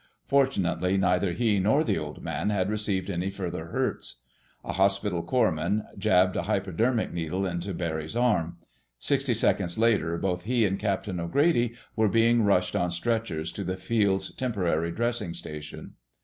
Fortunately neither he nor the Old Man had received any further hurts. A hospital corps man jabbed a hypodermic into Barry's arm. Sixty seconds later, both he and Captain O'Grady were being rushed on stretchers to the field's temporary dressing station.